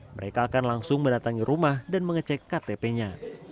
mereka akan langsung mendatangi rumah dan mengecek ktp nya